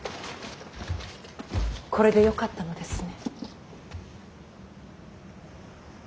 これでよかったのですね。